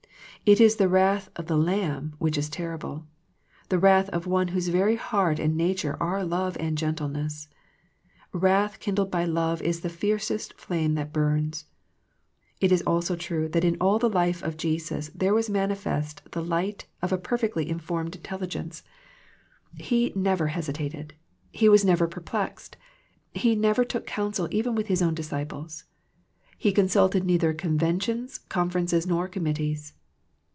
It is the wrath of the Lamb which is terrible, the wrath of One whose very heart and nature are love and gentleness. Wrath kin dled by love is the fiercest fiame that burns. It is also true that in all the life of Jesus there was manifest the light of a perfectly informed THE PLANE OF PEAYER 79 intelligence. He never hesitated. He was never perplexed. He never took counsel even with His own disciples. He consulted neither Conventions, Conferences, nor Committees.